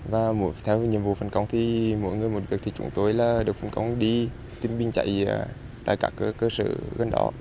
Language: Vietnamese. và theo nhiệm vụ phân công thì mỗi người một việc thì chúng tôi là được phân công đi tìm biên chạy tại các cơ sở gần đó